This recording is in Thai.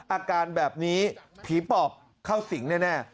อาการแบบนี้ผีปอบเข้าสิงแน่